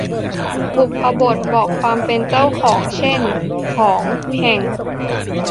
บุพบทบอกความเป็นเจ้าของ เช่น ของ แห่ง